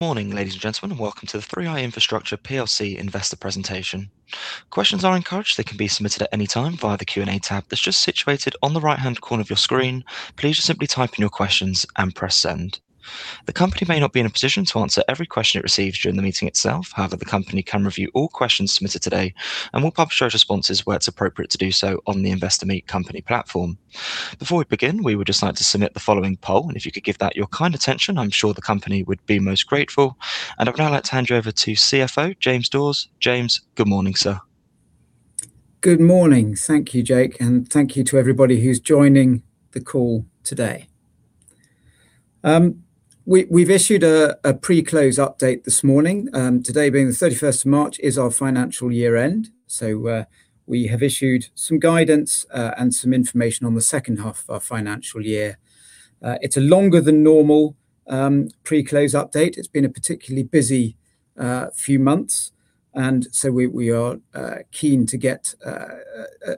Morning, ladies and gentlemen. Welcome to the 3i Infrastructure plc investor presentation. Questions are encouraged. They can be submitted at any time via the Q&A tab that's just situated on the right-hand corner of your screen. Please just simply type in your questions and press Send. The company may not be in a position to answer every question it receives during the meeting itself. However, the company can review all questions submitted today, and will publish those responses where it's appropriate to do so on the Investor Meet Company platform. Before we begin, we would just like to submit the following poll. If you could give that your kind attention, I'm sure the company would be most grateful. I'd now like to hand you over to Chief Financial Officer James Dawes. James, good morning, sir. Good morning. Thank you, Jake, and thank you to everybody who's joining the call today. We've issued a pre-close update this morning. Today being the 31st of March is our financial year end. We have issued some guidance and some information on the second half of our financial year. It's a longer than normal pre-close update. It's been a particularly busy few months. We are keen to get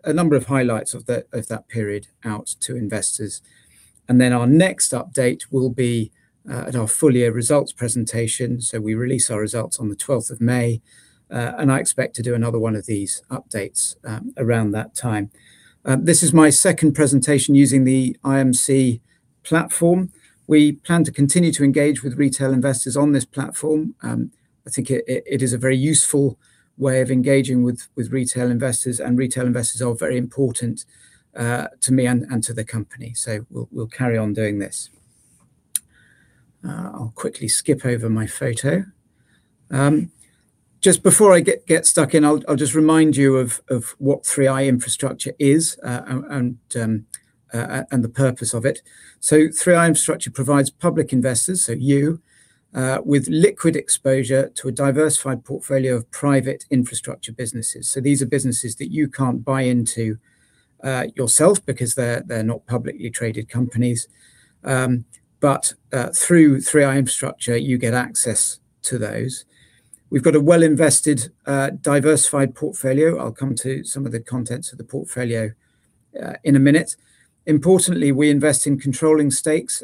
a number of highlights of that period out to investors. Our next update will be at our full year results presentation. We release our results on the 12th of May. I expect to do another one of these updates around that time. This is my second presentation using the IMC platform. We plan to continue to engage with retail investors on this platform. I think it is a very useful way of engaging with retail investors, and retail investors are very important to me and to the company. We'll carry on doing this. I'll quickly skip over my photo. Just before I get stuck in, I'll just remind you of what 3i Infrastructure is, and the purpose of it. 3i Infrastructure provides public investors, so you, with liquid exposure to a diversified portfolio of private infrastructure businesses. These are businesses that you can't buy into yourself because they're not publicly traded companies. Through 3i Infrastructure, you get access to those. We've got a well-invested diversified portfolio. I'll come to some of the contents of the portfolio in a minute. Importantly, we invest in controlling stakes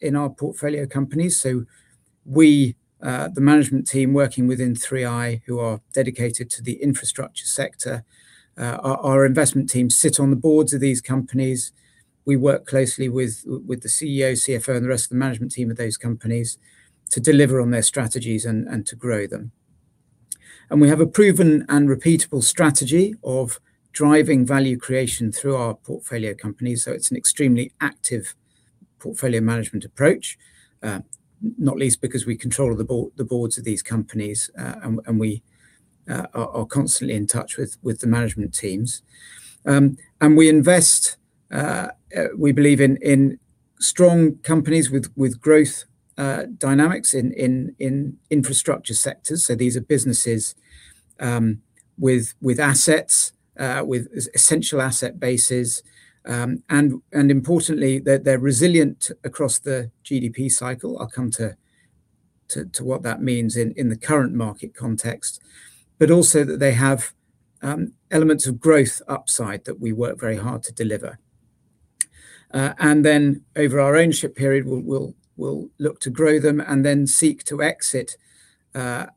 in our portfolio companies. We, the management team working within 3i who are dedicated to the infrastructure sector, our investment teams sit on the boards of these companies. We work closely with the Chief Executive Officer, Chief Financial Officer, and the rest of the management team of those companies to deliver on their strategies and to grow them. We have a proven and repeatable strategy of driving value creation through our portfolio companies. It's an extremely active portfolio management approach. Not least because we control the board, the boards of these companies, and we are constantly in touch with the management teams. We invest. We believe in strong companies with growth dynamics in infrastructure sectors. These are businesses with assets with essential asset bases. Importantly, they're resilient across the GDP cycle. I'll come to what that means in the current market context. Also that they have elements of growth upside that we work very hard to deliver. Then over our ownership period, we'll look to grow them and then seek to exit at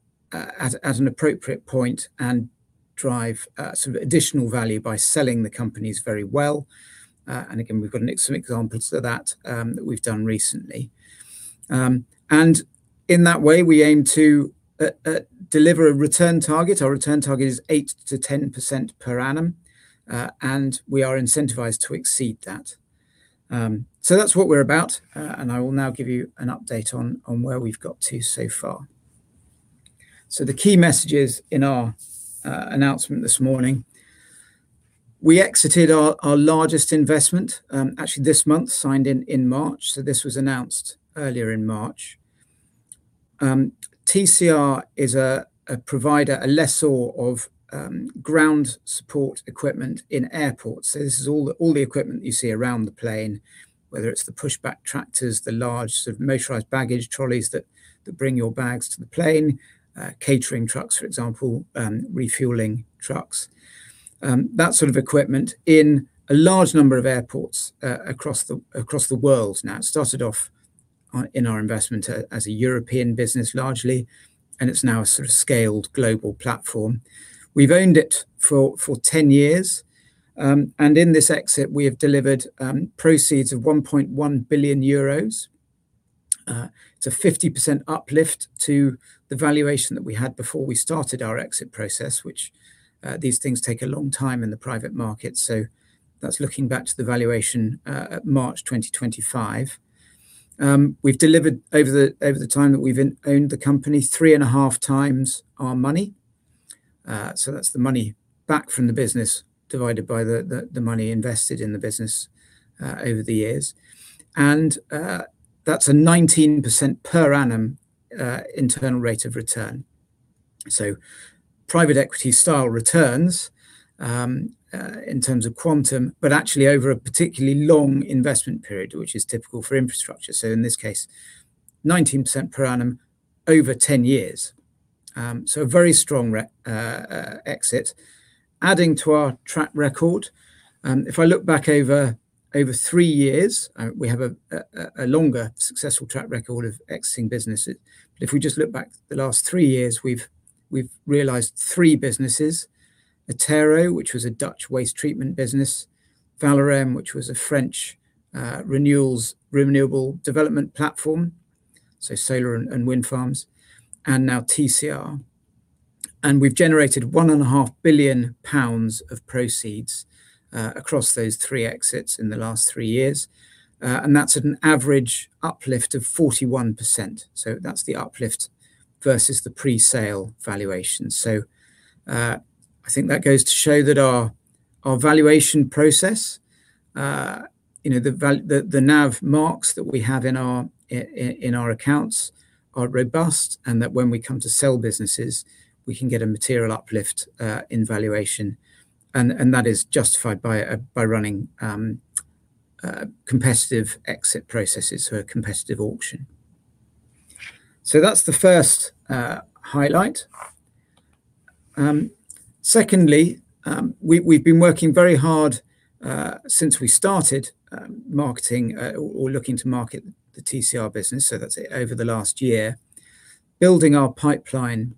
an appropriate point and drive some additional value by selling the companies very well. Again, we've got some examples of that we've done recently. In that way, we aim to deliver a return target. Our return target is 8%-10% per annum. We are incentivized to exceed that. That's what we're about. I will now give you an update on where we've got to so far. The key messages in our announcement this morning. We exited our largest investment actually this month, signed in March. This was announced earlier in March. TCR is a provider, a lessor of ground support equipment in airports. This is all the equipment you see around the plane. Whether it's the pushback tractors, the large sort of motorized baggage trolleys that bring your bags to the plane, catering trucks, for example, refueling trucks. That sort of equipment in a large number of airports across the world now. It started off in our investment as a European business, largely, and it's now a sort of scaled global platform. We've owned it for 10 years. In this exit, we have delivered proceeds of 1.1 billion euros. It's a 50% uplift to the valuation that we had before we started our exit process, which these things take a long time in the private market. That's looking back to the valuation at March 2025. We've delivered over the time that we've owned the company 3.5x our money. That's the money back from the business divided by the money invested in the business over the years. That's a 19% per annum internal rate of return. Private equity style returns, in terms of quantum, but actually over a particularly long investment period, which is typical for infrastructure. In this case, 19% per annum over 10 years. A very strong exit adding to our track record. If I look back over three years, we have a longer successful track record of exiting businesses. If we just look back the last three years, we've realized three businesses. Attero, which was a Dutch waste treatment business. Valorem, which was a French renewable development platform, so solar and wind farms. Now TCR. We've generated 1.5 billion pounds of proceeds across those three exits in the last three years. That's an average uplift of 41%, that's the uplift versus the pre-sale valuation. I think that goes to show that our valuation process, you know, the NAV marks that we have in our accounts are robust and that when we come to sell businesses we can get a material uplift in valuation and that is justified by running competitive exit processes or a competitive auction. That's the first highlight. Secondly, we've been working very hard since we started marketing or looking to market the TCR business, so that's over the last year, building our pipeline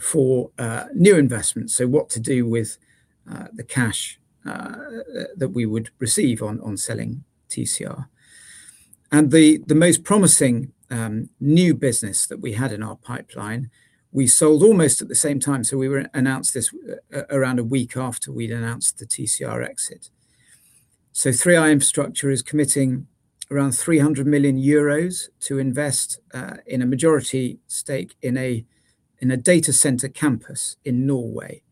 for new investments. What to do with the cash that we would receive on selling TCR. The most promising new business that we had in our pipeline we sold almost at the same time. We announced this around a week after we'd announced the TCR exit. 3i Infrastructure is committing around 300 million euros to invest in a majority stake in a data center campus in Norway.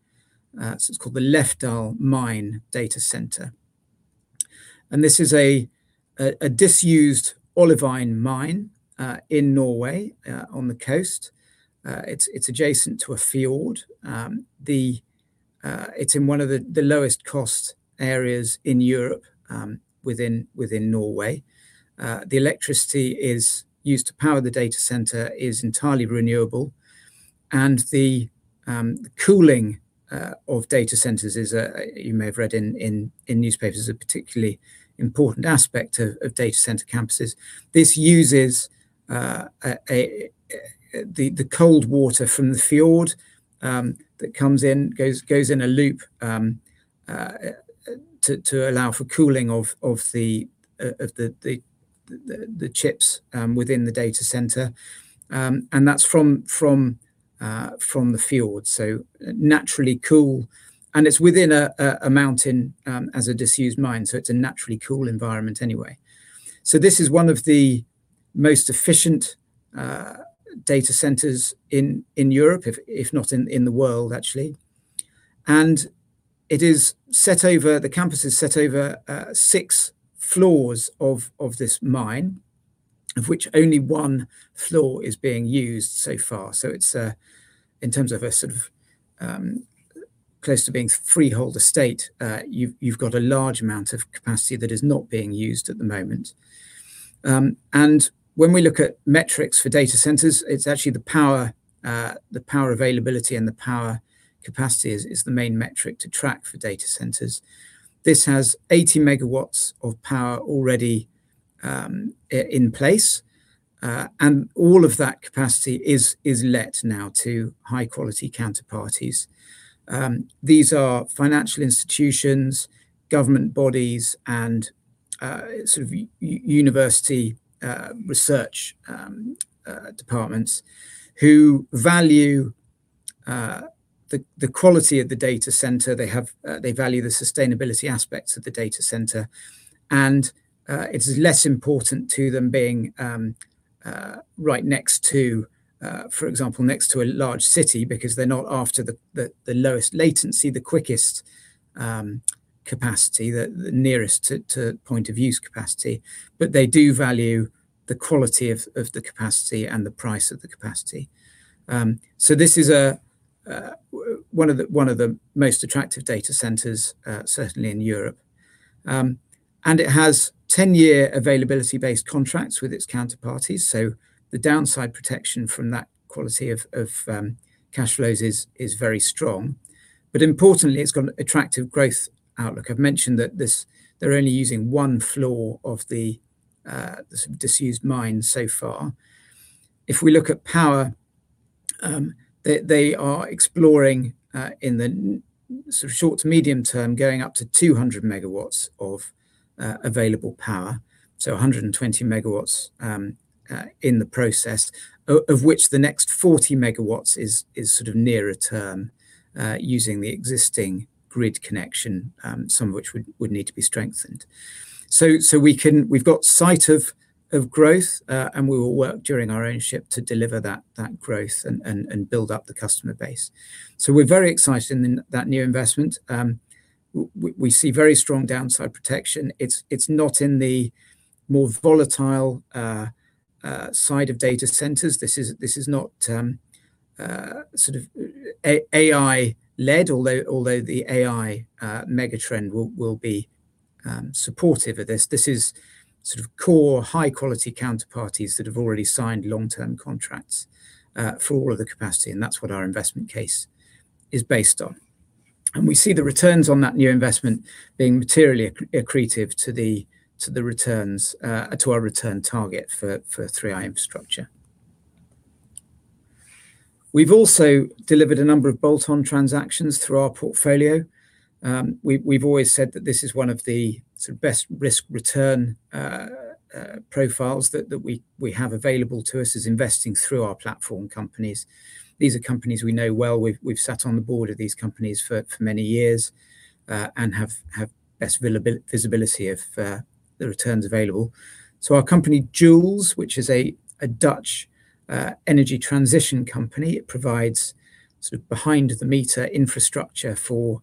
It's called the Lefdal Mine Datacenter. This is a disused olivine mine in Norway on the coast. It's adjacent to a fjord. It's in one of the lowest cost areas in Europe within Norway. The electricity is used to power the data center is entirely renewable, and the cooling of data centers is, you may have read in newspapers, a particularly important aspect of data center campuses. This uses the cold water from the fjord that comes in, goes in a loop to allow for cooling of the chips within the data center. That's from the fjord, so naturally cool, and it's within a mountain as a disused mine, so it's a naturally cool environment anyway. This is one of the most efficient data centers in Europe if not in the world actually and it is set over, the campus is set over six floors of this mine of which only one floor is being used so far. It's in terms of a sort of close to being freehold estate, you've got a large amount of capacity that is not being used at the moment. When we look at metrics for data centers, it's actually the power availability and the power capacity is the main metric to track for data centers. This has 80 MW of power already in place, and all of that capacity is let now to high-quality counterparties. These are financial institutions, government bodies and sort of university research departments who value the quality of the data center. They value the sustainability aspects of the data center and it's less important to them being right next to, for example, next to a large city because they're not after the lowest latency, the quickest capacity, the nearest to point of use capacity. But they do value the quality of the capacity and the price of the capacity. This is one of the most attractive data centers certainly in Europe. It has 10-year availability based contracts with its counterparties, so the downside protection from that quality of cash flows is very strong. Importantly it's got an attractive growth outlook. I've mentioned that this, they're only using one floor of the sort of disused mine so far. If we look at power, they are exploring in the sort of short to medium term going up to 200 MW of available power, so 120 MW in the process. Of which the next 40 MW is sort of nearer term using the existing grid connection, some of which would need to be strengthened. So we can. We've got sight of growth and we will work during our ownership to deliver that growth and build up the customer base. So we're very excited in that new investment. We see very strong downside protection. It's not in the more volatile side of data centers. This is not sort of AI led although the AI mega trend will be supportive of this. This is sort of core high quality counterparties that have already signed long-term contracts for all of the capacity, and that's what our investment case is based on. We see the returns on that new investment being materially accretive to the returns to our return target for 3i Infrastructure. We've also delivered a number of bolt-on transactions through our portfolio. We've always said that this is one of the sort of best risk return profiles that we have available to us is investing through our platform companies. These are companies we know well. We've sat on the board of these companies for many years and have best visibility of the returns available. Our company, Joulz, which is a Dutch energy transition company, it provides sort of behind the meter infrastructure for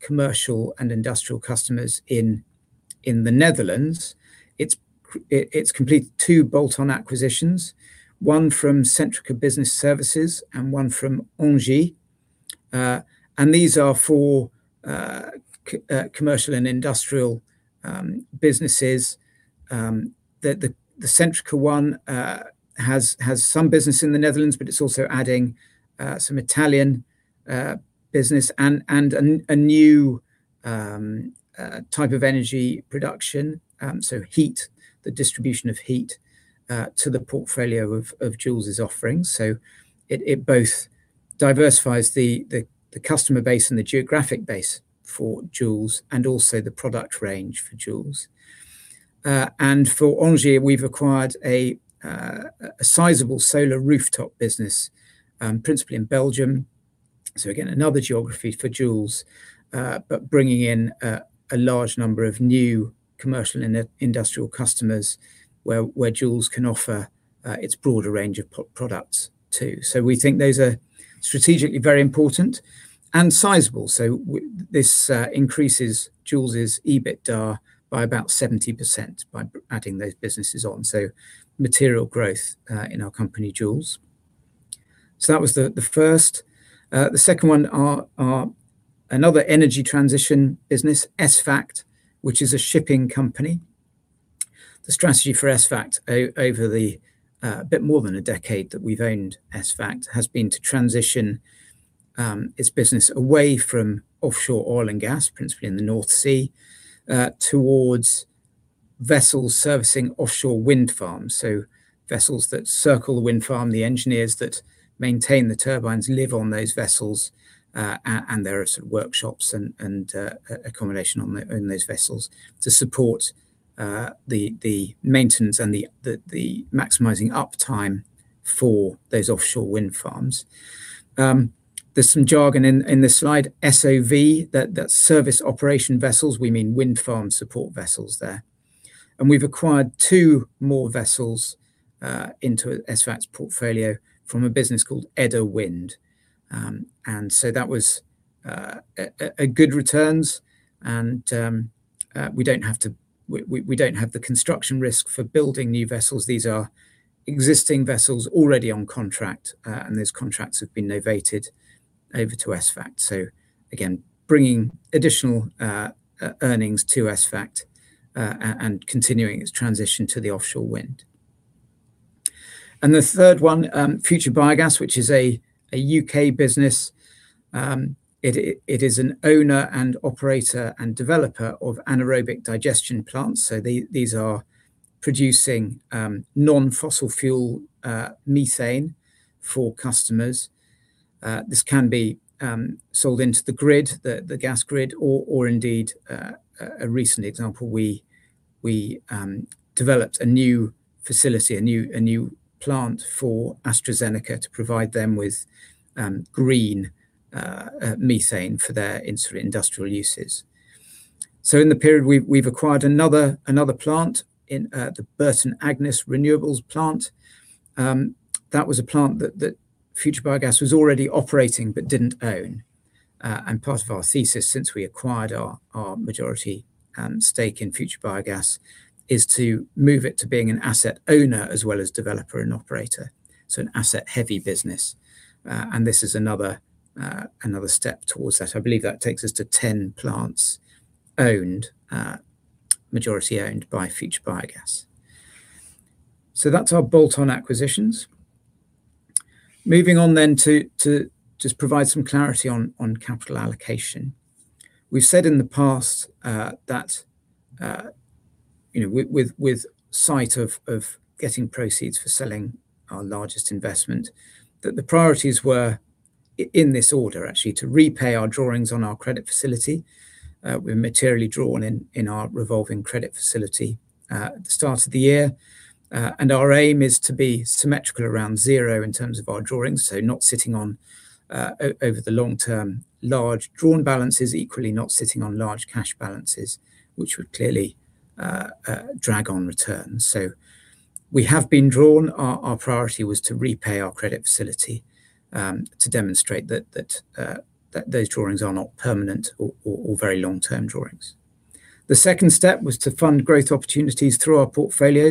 commercial and industrial customers in the Netherlands. It's completed two bolt-on acquisitions, one from Centrica Business Solutions and one from ENGIE. And these are for commercial and industrial businesses. The Centrica one has some business in the Netherlands, but it's also adding some Italian business and a new type of energy production. So heat, the distribution of heat to the portfolio of Joulz's offerings. It both diversifies the customer base and the geographic base for Joulz and also the product range for Joulz. For ENGIE, we've acquired a sizable solar rooftop business, principally in Belgium. Again, another geography for Joulz, but bringing in a large number of new commercial and industrial customers where Joulz can offer its broader range of products too. We think those are strategically very important and sizable. This increases Joulz's EBITDA by about 70% by adding those businesses on, material growth in our company, Joulz. That was the first. The second one are another energy transition business, ESVAGT, which is a shipping company. The strategy for ESVAGT over the bit more than a decade that we've owned ESVAGT has been to transition its business away from offshore oil and gas, principally in the North Sea, towards vessels servicing offshore wind farms. Vessels that circle the wind farm, the engineers that maintain the turbines live on those vessels. There are sort of workshops and accommodation on those vessels to support the maximizing uptime for those offshore wind farms. There's some jargon in this slide, SOV, that's service operation vessels. We mean wind farm support vessels there. We've acquired two more vessels into ESVAGT's portfolio from a business called Edda Wind. That was a good returns and we don't have to. We don't have the construction risk for building new vessels. These are existing vessels already on contract, and those contracts have been novated over to ESVAGT. Again, bringing additional earnings to ESVAGT, and continuing its transition to the offshore wind. The third one, Future Biogas, which is a U.K. business. It is an owner and operator and developer of anaerobic digestion plants. These are producing non-fossil fuel methane for customers. This can be sold into the grid, the gas grid, or indeed, a recent example, we developed a new facility, a new plant for AstraZeneca to provide them with green methane for their industrial uses. In the period, we've acquired another plant in the Burton Agnes Renewables Plant. That was a plant that Future Biogas was already operating but didn't own. Part of our thesis since we acquired our majority stake in Future Biogas is to move it to being an asset owner as well as developer and operator. An asset heavy business. This is another step towards that. I believe that takes us to 10 plants owned, majority owned by Future Biogas. That's our bolt-on acquisitions. Moving on to just provide some clarity on capital allocation. We've said in the past that you know, in sight of getting proceeds for selling our largest investment, that the priorities were in this order, actually, to repay our drawings on our credit facility. We were materially drawn down in our revolving credit facility at the start of the year. Our aim is to be symmetrical around zero in terms of our drawings, so not sitting on, over the long term, large drawn balances, equally not sitting on large cash balances, which would clearly drag on returns. We have been drawn. Our priority was to repay our credit facility to demonstrate that those drawings are not permanent or very long term drawings. The second step was to fund growth opportunities through our portfolio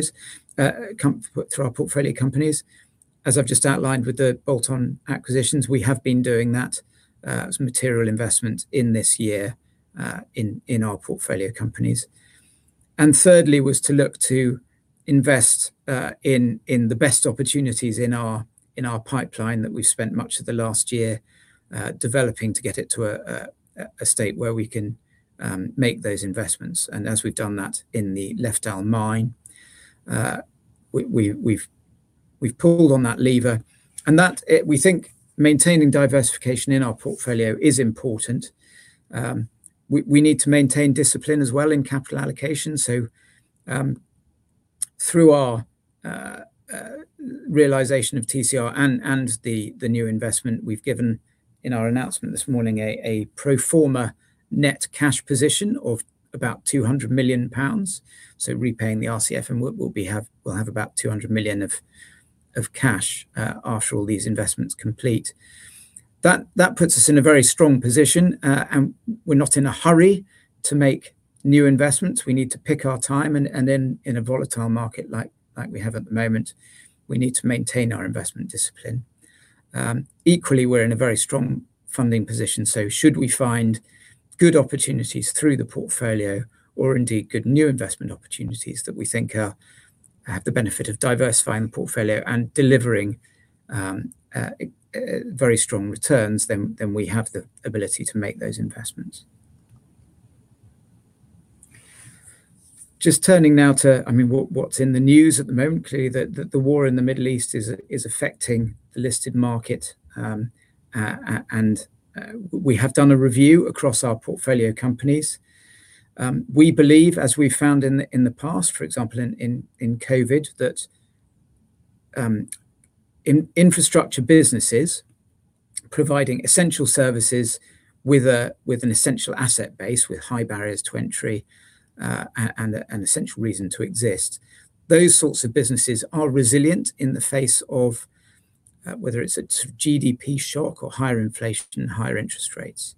companies. As I've just outlined with the bolt-on acquisitions, we have been doing that, some material investment in this year in our portfolio companies. Thirdly was to look to invest in the best opportunities in our pipeline that we've spent much of the last year developing to get it to a state where we can make those investments. As we've done that in the Lefdal Mine, we've pulled on that lever we think maintaining diversification in our portfolio is important. We need to maintain discipline as well in capital allocation. Through our realization of TCR and the new investment we've given in our announcement this morning a pro forma net cash position of about 200 million pounds. Repaying the RCF and we'll have about 200 million of cash after all these investments complete. That puts us in a very strong position. We're not in a hurry to make new investments. We need to pick our time and in a volatile market like we have at the moment, we need to maintain our investment discipline. Equally, we're in a very strong funding position, so should we find good opportunities through the portfolio or indeed good new investment opportunities that we think have the benefit of diversifying the portfolio and delivering very strong returns, then we have the ability to make those investments. Just turning now to, I mean, what's in the news at the moment. Clearly, the war in the Middle East is affecting the listed market. We have done a review across our portfolio companies. We believe, as we found in the past, for example, in COVID, that infrastructure businesses providing essential services with an essential asset base, with high barriers to entry, and an essential reason to exist, those sorts of businesses are resilient in the face of whether it's a GDP shock or higher inflation and higher interest rates.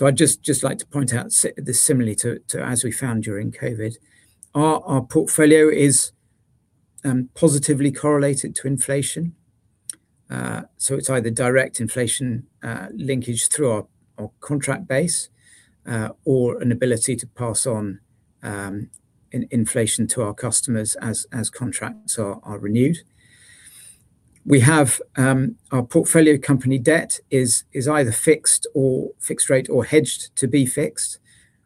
I'd just like to point out similarly to as we found during COVID, our portfolio is positively correlated to inflation. It's either direct inflation linkage through our contract base, or an ability to pass on inflation to our customers as contracts are renewed. We have our portfolio company debt is either fixed or fixed rate or hedged to be fixed.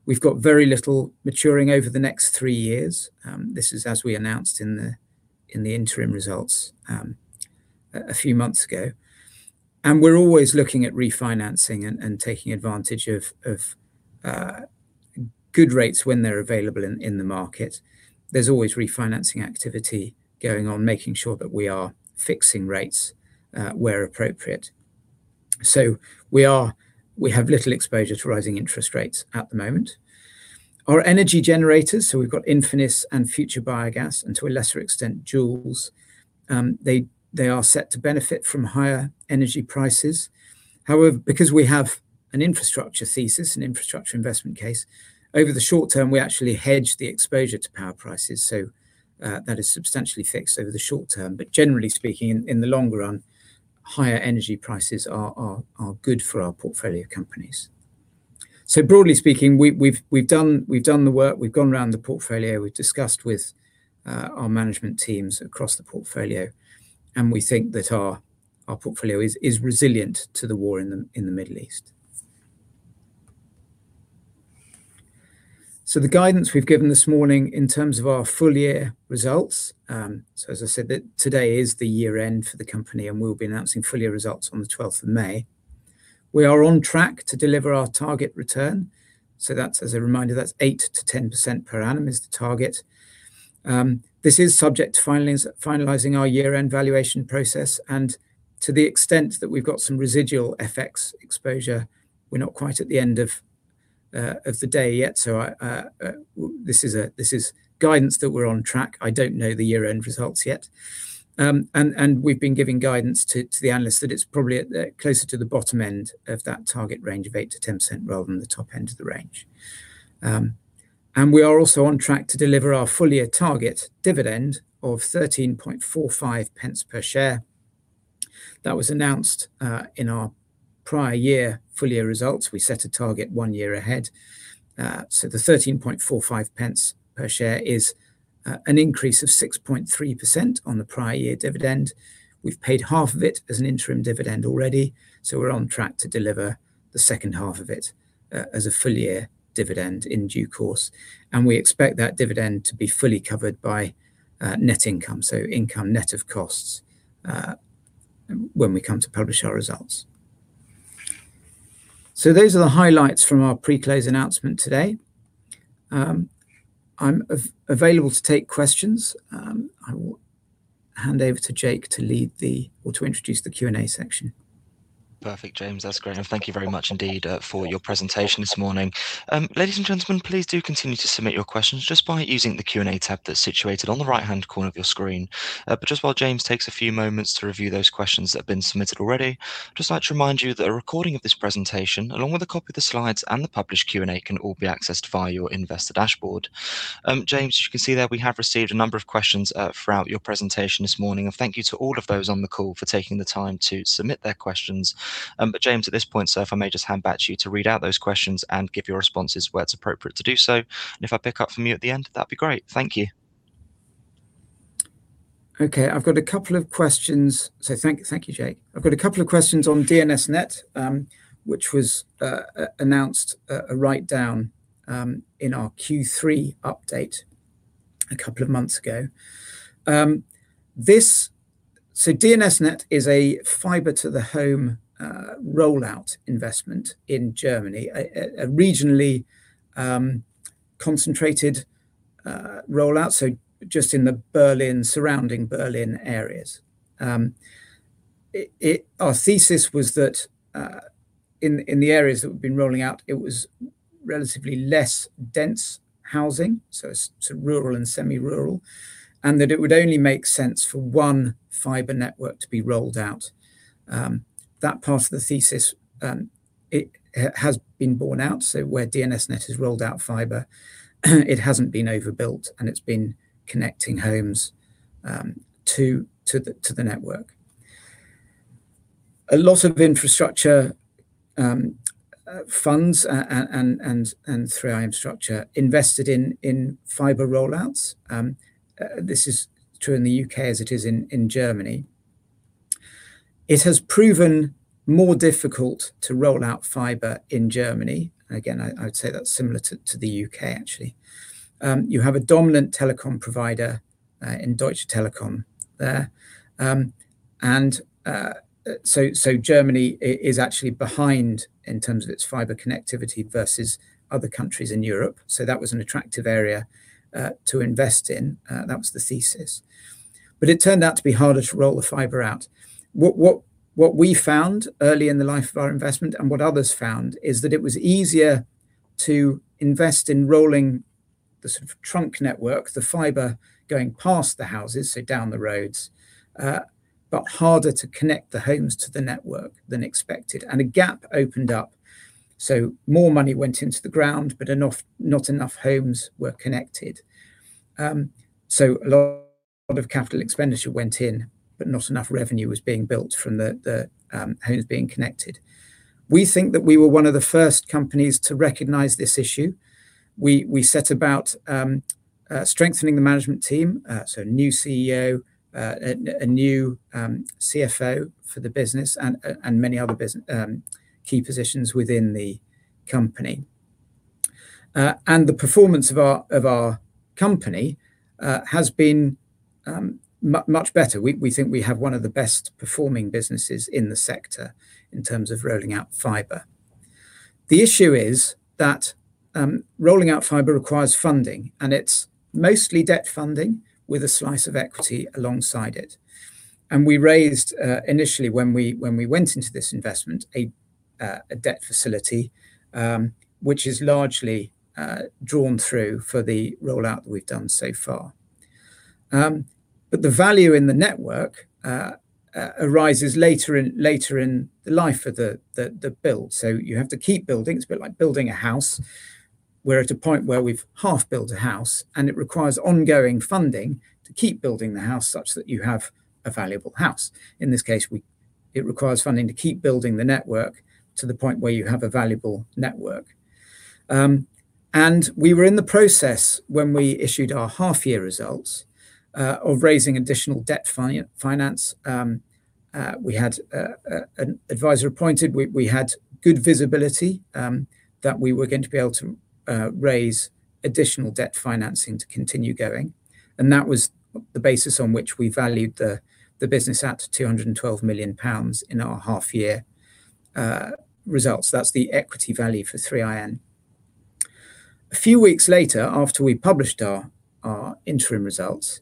We've got very little maturing over the next three years. This is as we announced in the interim results a few months ago. We're always looking at refinancing and taking advantage of good rates when they're available in the market. There's always refinancing activity going on, making sure that we are fixing rates where appropriate. We have little exposure to rising interest rates at the moment. Our energy generators, so we've got Infinis and Future Biogas and to a lesser extent, Joulz, they are set to benefit from higher energy prices. However, because we have an infrastructure thesis, an infrastructure investment case, over the short term, we actually hedge the exposure to power prices. That is substantially fixed over the short term. Generally speaking, in the longer run, higher energy prices are good for our portfolio companies. Broadly speaking, we've done the work, we've gone around the portfolio, we've discussed with our management teams across the portfolio, and we think that our portfolio is resilient to the war in the Middle East. The guidance we've given this morning in terms of our full year results, so as I said, that today is the year end for the company and we'll be announcing full year results on the 12th of May. We are on track to deliver our target return. That's as a reminder, that's 8%-10% per annum is the target. This is subject to finalizing our year-end valuation process and to the extent that we've got some residual FX exposure. We're not quite at the end of the day yet. This is guidance that we're on track. I don't know the year-end results yet. We've been giving guidance to the analysts that it's probably closer to the bottom end of that target range of 8%-10% rather than the top end of the range. We are also on track to deliver our full year target dividend of 0.1345 per share. That was announced in our prior year full year results. We set a target one year ahead. The 0.1345 per share is an increase of 6.3% on the prior year dividend. We've paid half of it as an interim dividend already, so we're on track to deliver the second half of it, as a full year dividend in due course. We expect that dividend to be fully covered by net income, so income net of costs, when we come to publish our results. Those are the highlights from our pre-close announcement today. I'm available to take questions. I will hand over to Jake to introduce the Q&A section. Perfect, James. That's great. Thank you very much indeed for your presentation this morning. Ladies and gentlemen, please do continue to submit your questions just by using the Q&A tab that's situated on the right-hand corner of your screen. Just while James takes a few moments to review those questions that have been submitted already, I'd just like to remind you that a recording of this presentation, along with a copy of the slides and the published Q&A, can all be accessed via your investor dashboard. James, as you can see there, we have received a number of questions throughout your presentation this morning. Thank you to all of those on the call for taking the time to submit their questions. James, at this point, sir, if I may just hand back to you to read out those questions and give your responses where it's appropriate to do so. If I pick up from you at the end, that'd be great. Thank you. Okay, I've got a couple of questions. Thank you, Jake. I've got a couple of questions on DNS:NET, which was announced, written down in our Q3 update a couple of months ago. DNS:NET is a fiber-to-the-home rollout investment in Germany, a regionally concentrated rollout, so just in the Berlin and surrounding Berlin areas. Our thesis was that in the areas that we've been rolling out, it was relatively less dense housing, so it's rural and semi-rural, and that it would only make sense for one fiber network to be rolled out. That part of the thesis, it has been borne out, so where DNS:NET has rolled out fiber, it hasn't been overbuilt and it's been connecting homes to the network. A lot of infrastructure funds and through our infrastructure invested in fiber rollouts, this is true in the U.K. as it is in Germany. It has proven more difficult to roll out fiber in Germany. Again, I'd say that's similar to the U.K. actually. You have a dominant telecom provider in Deutsche Telekom there. Germany is actually behind in terms of its fiber connectivity versus other countries in Europe. That was an attractive area to invest in. That was the thesis. It turned out to be harder to roll the fiber out. What we found early in the life of our investment and what others found is that it was easier to invest in rolling the sort of trunk network, the fiber going past the houses, so down the roads, but harder to connect the homes to the network than expected, and a gap opened up. More money went into the ground, but not enough homes were connected. A lot of capital expenditure went in, but not enough revenue was being built from the homes being connected. We think that we were one of the first companies to recognize this issue. We set about strengthening the management team, so a new Chief Executive Officer, a new Chief Financial Officer for the business and many other key positions within the company. The performance of our company has been much better. We think we have one of the best performing businesses in the sector in terms of rolling out fiber. The issue is that rolling out fiber requires funding, and it's mostly debt funding with a slice of equity alongside it. We raised initially when we went into this investment a debt facility which is largely drawn through for the rollout that we've done so far. But the value in the network arises later in the life of the build. You have to keep building. It's a bit like building a house. We're at a point where we've half built a house, and it requires ongoing funding to keep building the house such that you have a valuable house. In this case, it requires funding to keep building the network to the point where you have a valuable network. We were in the process when we issued our half-year results of raising additional debt finance. We had an advisor appointed. We had good visibility that we were going to be able to raise additional debt financing to continue going. That was the basis on which we valued the business at 212 million pounds in our half-year results. That's the equity value for 3IN. A few weeks later, after we published our interim results,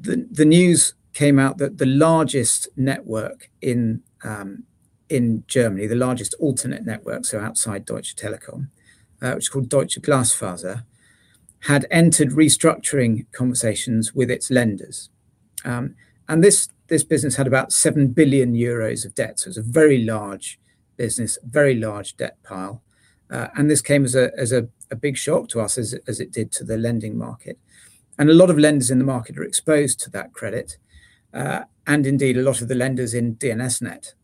the news came out that the largest network in Germany, the largest alternative network, so outside Deutsche Telekom, which is called Deutsche Glasfaser, had entered restructuring conversations with its lenders. This business had about 7 billion euros of debt. It's a very large business, very large debt pile. This came as a big shock to us as it did to the lending market. A lot of lenders in the market are exposed to that credit, and indeed, a lot of the lenders in DNS:NET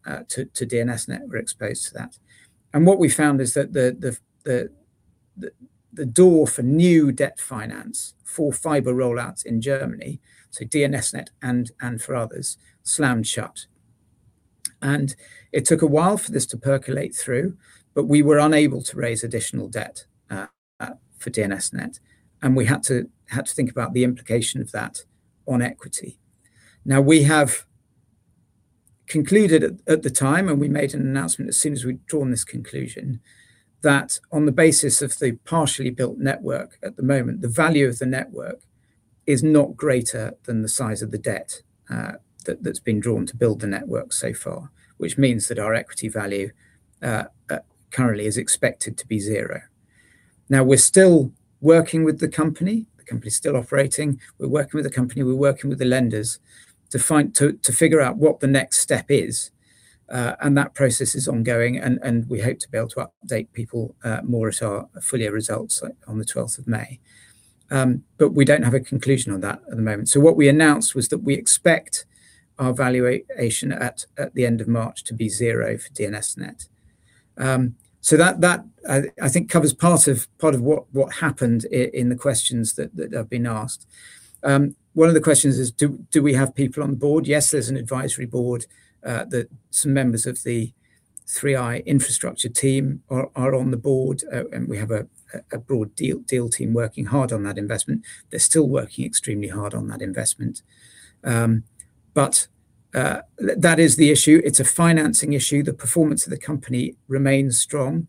were exposed to that too. What we found is that the door for new debt finance for fiber rollouts in Germany, so DNS:NET and for others, slammed shut. It took a while for this to percolate through, but we were unable to raise additional debt for DNS:NET, and we had to think about the implication of that on equity. Now we have concluded at the time, and we made an announcement as soon as we'd drawn this conclusion, that on the basis of the partially built network at the moment, the value of the network is not greater than the size of the debt that's been drawn to build the network so far, which means that our equity value currently is expected to be zero. Now, we're still working with the company. The company is still operating. We're working with the company, we're working with the lenders to figure out what the next step is, and that process is ongoing, and we hope to be able to update people more at our full year results on the twelfth of May. We don't have a conclusion on that at the moment. What we announced was that we expect our valuation at the end of March to be zero for DNS:NET. That I think covers part of what happened in the questions that have been asked. One of the questions is, Do we have people on board? Yes, there's an advisory board that some members of the 3i Infrastructure team are on the board, and we have a broad deal team working hard on that investment. They're still working extremely hard on that investment. That is the issue. It's a financing issue. The performance of the company remains strong.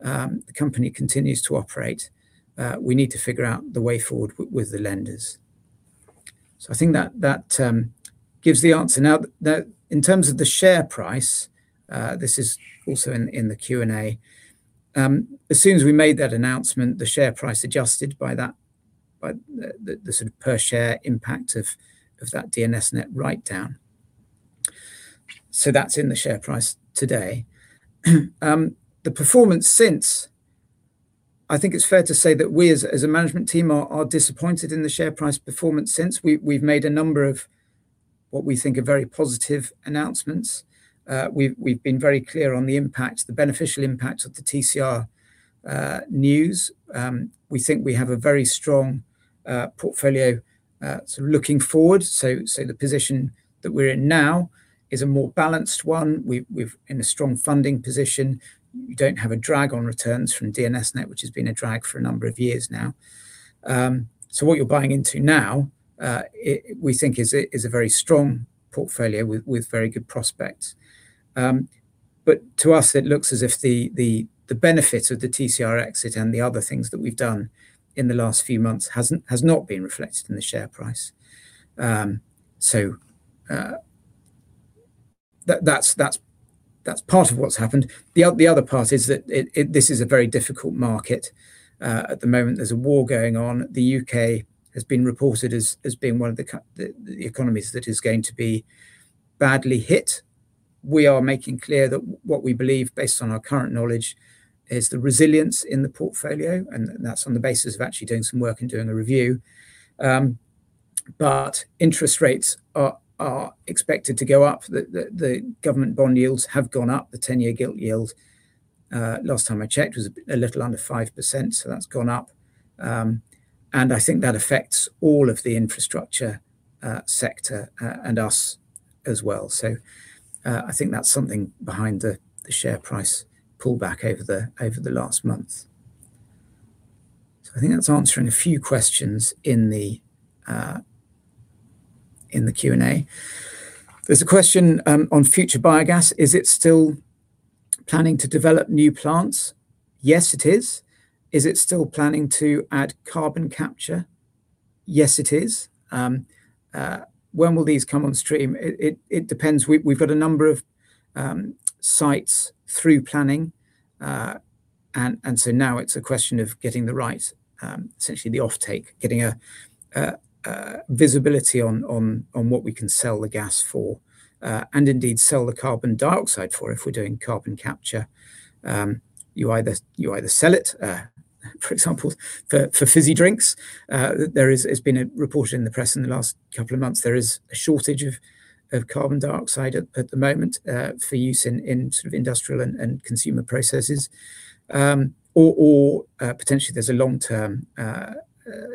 The company continues to operate. We need to figure out the way forward with the lenders. I think that gives the answer. Now, in terms of the share price, this is also in the Q&A, as soon as we made that announcement, the share price adjusted by that, by the sort of per share impact of that DNS:NET write-down. That's in the share price today. I think it's fair to say that we as a management team are disappointed in the share price performance since. We've made a number of what we think are very positive announcements. We've been very clear on the impact, the beneficial impact of the TCR news. We think we have a very strong portfolio sort of looking forward. The position that we're in now is a more balanced one. We're in a strong funding position. We don't have a drag on returns from DNS:NET, which has been a drag for a number of years now. What you're buying into now, we think is a very strong portfolio with very good prospects. To us, it looks as if the benefit of the TCR exit and the other things that we've done in the last few months has not been reflected in the share price. That's part of what's happened. The other part is that this is a very difficult market. At the moment, there's a war going on. The U.K. has been reported as being one of the economies that is going to be badly hit. We are making clear that what we believe, based on our current knowledge, is the resilience in the portfolio, and that's on the basis of actually doing some work and doing a review. Interest rates are expected to go up. The government bond yields have gone up. The 10-year gilt yield, last time I checked, was a bit, a little under 5%, so that's gone up. I think that affects all of the infrastructure sector, and us as well. I think that's something behind the share price pullback over the last month. I think that's answering a few questions in the Q&A. There's a question on Future Biogas. Is it still planning to develop new plants? Yes, it is. Is it still planning to add carbon capture? Yes, it is. When will these come on stream? It depends. We've got a number of sites through planning, and so now it's a question of getting the right, essentially, the offtake, getting a visibility on what we can sell the gas for, and indeed sell the carbon dioxide for if we're doing carbon capture. You either sell it, for example, for fizzy drinks. There has been a report in the press in the last couple of months. There is a shortage of carbon dioxide at the moment, for use in sort of industrial and consumer processes. Or potentially there's a long-term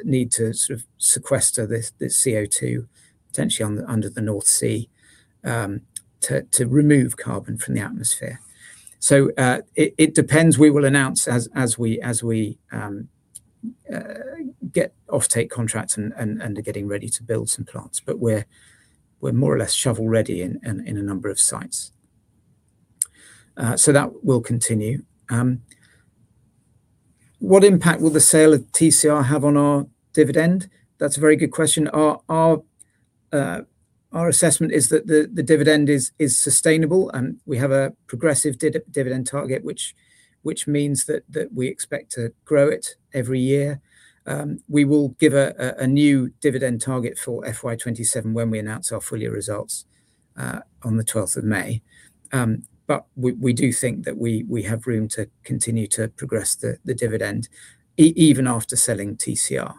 need to sort of sequester this CO2, potentially under the North Sea, to remove carbon from the atmosphere. It depends. We will announce as we get offtake contracts and are getting ready to build some plants. We're more or less shovel-ready in a number of sites. That will continue. What impact will the sale of TCR have on our dividend? That's a very good question. Our assessment is that the dividend is sustainable, and we have a progressive dividend target which means that we expect to grow it every year. We will give a new dividend target for FY 2027 when we announce our full year results on the twelfth of May. We do think that we have room to continue to progress the dividend even after selling TCR.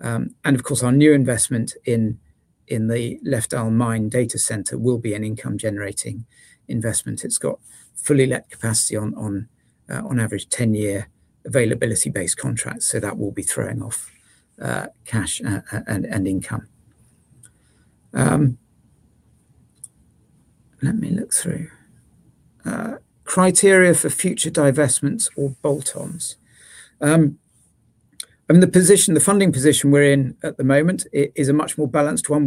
Of course, our new investment in the Lefdal Mine data center will be an income generating investment. It's got fully let capacity on average 10-year availability based contracts, so that will be throwing off cash and income. Let me look through criteria for future divestments or bolt-ons. I mean, the position, the funding position we're in at the moment is a much more balanced one.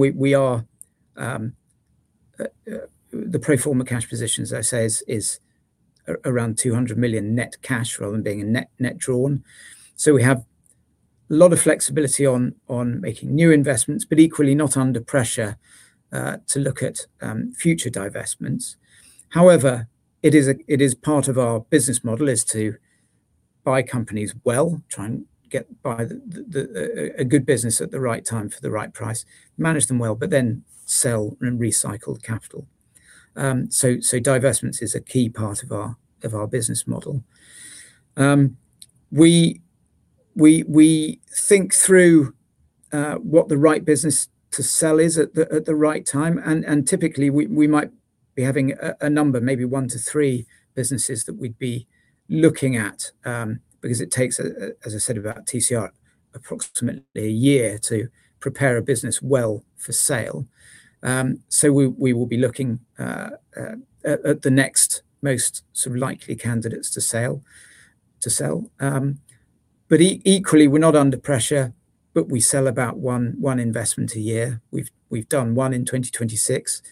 The pro forma cash position, as I say, is around 200 million net cash rather than being a net drawn. We have a lot of flexibility on making new investments, but equally not under pressure to look at future divestments. However, it is part of our business model is to buy companies, well, try and get a good business at the right time for the right price, manage them well, but then sell and recycle capital, divestments is a key part of our business model. We think through what the right business to sell is at the right time, and typically, we might be having a number, maybe one to three businesses that we'd be looking at, because it takes, as I said about TCR, approximately a year to prepare a business well for sale. We will be looking at the next most sort of likely candidates to sell. Equally, we're not under pressure, but we sell about one investment a year. We've done one in 2026,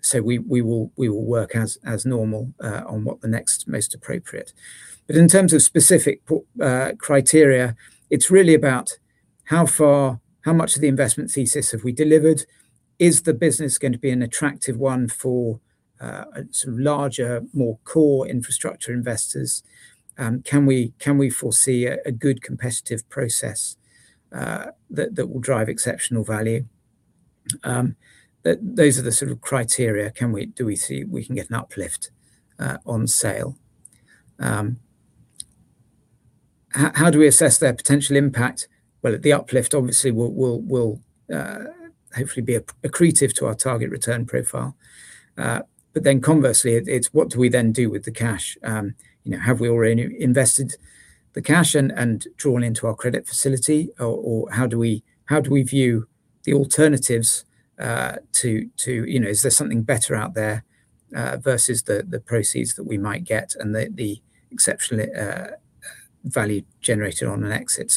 so we will work as normal on what the next most appropriate. In terms of specific criteria, it's really about how far, how much of the investment thesis have we delivered. Is the business going to be an attractive one for sort of larger, more core infrastructure investors? Can we foresee a good competitive process that will drive exceptional value? Those are the sort of criteria. Can we. Do we see we can get an uplift on sale? How do we assess their potential impact? Well, the uplift obviously will hopefully be accretive to our target return profile. Conversely, it is what do we then do with the cash? You know, have we already invested the cash and drawn into our credit facility? Or how do we view the alternatives to? You know, is there something better out there versus the proceeds that we might get and the exceptional value generated on an exit?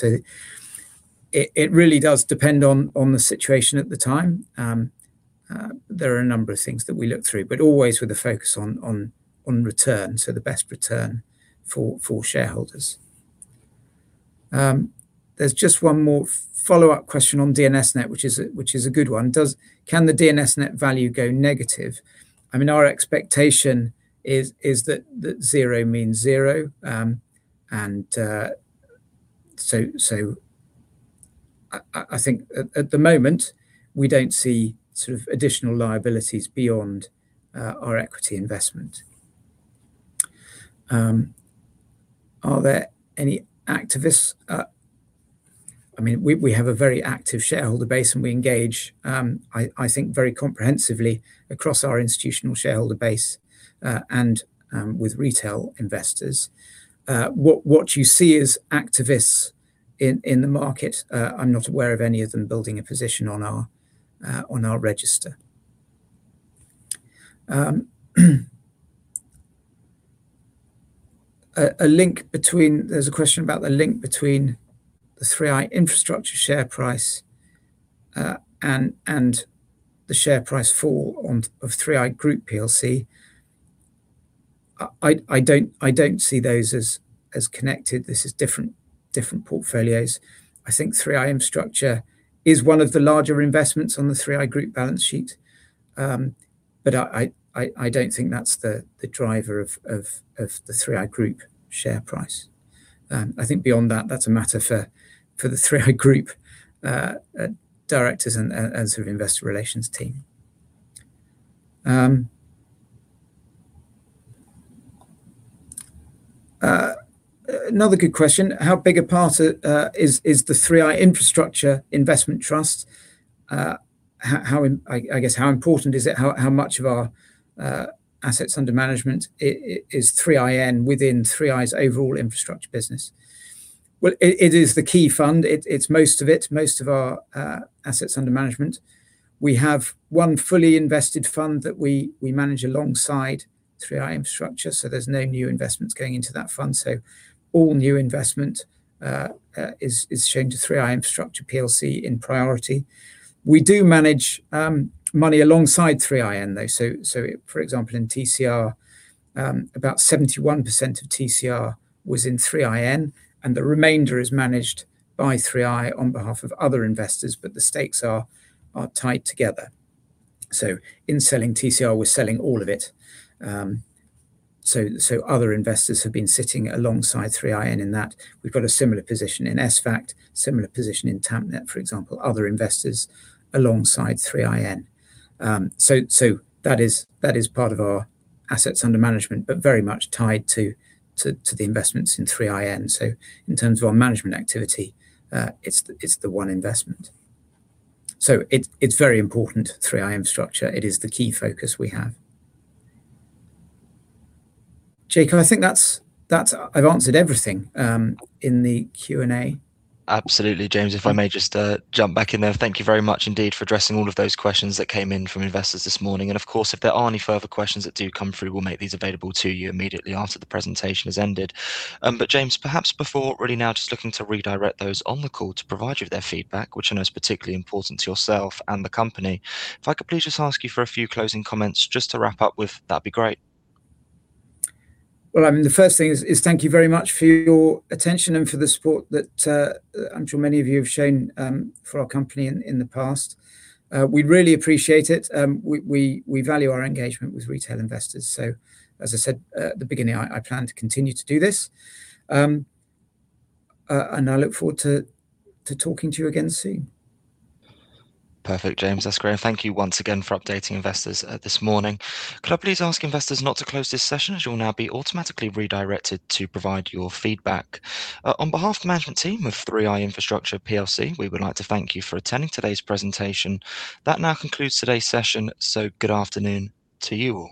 It really does depend on the situation at the time. There are a number of things that we look through, but always with a focus on return, so the best return for shareholders. There's just one more follow-up question on DNS:NET, which is a good one. Can the DNS:NET value go negative? I mean, our expectation is that zero means zero. I think at the moment, we don't see sort of additional liabilities beyond our equity investment. Are there any activists? I mean, we have a very active shareholder base, and we engage, I think very comprehensively across our institutional shareholder base, and with retail investors. What you see is activists in the market. I'm not aware of any of them building a position on our register. There's a question about the link between the 3i Infrastructure share price, and the share price fall of 3i Group plc. I don't see those as connected. This is different portfolios. I think 3i Infrastructure is one of the larger investments on the 3i Group plc balance sheet. I don't think that's the driver of the 3i Group share price. I think beyond that's a matter for the 3i Group directors and sort of investor relations team. Another good question. How big a part is the 3i Infrastructure investment trust? I guess, how important is it? How much of our assets under management is 3IN within 3i's overall infrastructure business? Well, it is the key fund. It's most of it, most of our assets under management. We have one fully invested fund that we manage alongside 3i Infrastructure, so there's no new investments going into that fund. All new investment is shown to 3i Infrastructure plc in priority. We do manage money alongside 3IN, though. For example, in TCR, about 71% of TCR was in 3iN, and the remainder is managed by 3i on behalf of other investors, but the stakes are tied together. In selling TCR, we're selling all of it. Other investors have been sitting alongside 3IN in that. We've got a similar position in ESVAGT, similar position in Tampnet, for example, other investors alongside 3IN. That is part of our assets under management, but very much tied to the investments in 3IN. In terms of our management activity, it's the one investment. It's very important, 3i Infrastructure. It is the key focus we have. Jake, I think that's it. I've answered everything in the Q&A. Absolutely, James. If I may just jump back in there. Thank you very much indeed for addressing all of those questions that came in from investors this morning. Of course, if there are any further questions that do come through, we'll make these available to you immediately after the presentation has ended. James, perhaps before really now just looking to redirect those on the call to provide you with their feedback, which I know is particularly important to yourself and the company, if I could please just ask you for a few closing comments just to wrap up with, that'd be great. Well, I mean, the first thing is thank you very much for your attention and for the support that I'm sure many of you have shown for our company in the past. We really appreciate it. We value our engagement with retail investors, so as I said at the beginning, I plan to continue to do this. I look forward to talking to you again soon. Perfect, James. That's great. Thank you once again for updating investors this morning. Could I please ask investors not to close this session, as you'll now be automatically redirected to provide your feedback. On behalf of the management team of 3i Infrastructure plc, we would like to thank you for attending today's presentation. That now concludes today's session, so good afternoon to you all.